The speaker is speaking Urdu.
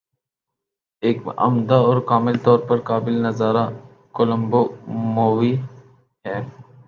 ایک عمدہ اور کامل طور پر قابل نظارہ کولمبو مووی ہے